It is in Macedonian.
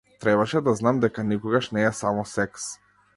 Требаше да знам дека никогаш не е само секс.